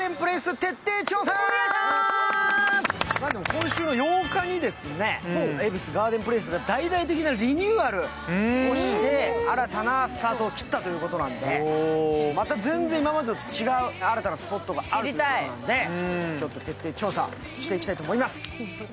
今週の８日に恵比寿ガーデンプレイスが大々的なるリニューアルをして新たなスタートを切ったということでまた全然今までと違う新たなスポットがあるということなのでちょっと徹底調査していきたいと思います。